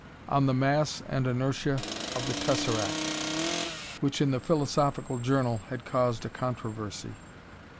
"On the Mass and Inertia of the Tesseract," which in the Philosophical Journal had caused a controversy.